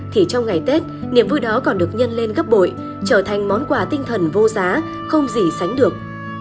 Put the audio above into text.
thì trong ngày tết niềm vui đó còn được nhân lên gấp bội trở thành món quà tinh thần vô giá không gì sánh được